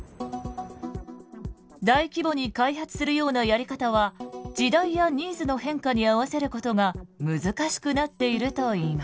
大規模に開発するようなやり方は時代やニーズの変化に合わせることが難しくなっているといいます。